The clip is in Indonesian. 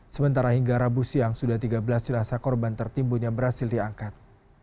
sementara hingga rabu siang sudah tiga belas jenazah korban tertimbun yang berhasil diangkat